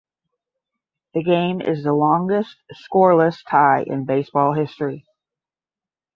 The game is the longest scoreless tie in baseball history.